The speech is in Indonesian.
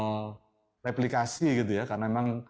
dan mereplikasi gitu ya karena memang